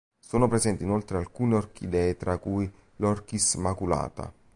Sono presenti inoltre alcune orchidee tra cui l"Orchis maculata".